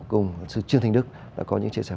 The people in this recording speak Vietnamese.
cùng sư trương thanh đức đã có những chia sẻ